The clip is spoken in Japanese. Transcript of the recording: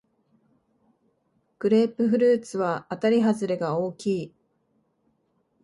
グレープフルーツはあたりはずれが大きい